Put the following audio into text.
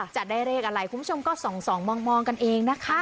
จะได้เลขอะไรคุณผู้ชมก็ส่องมองกันเองนะคะ